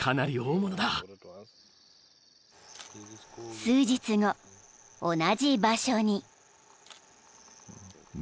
［数日後同じ場所に］